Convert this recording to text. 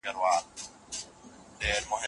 ارقام د دورکهايم له خوا راټول سول.